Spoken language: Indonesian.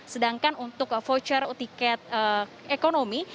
sedangkan untuk voucher tiket ekonomi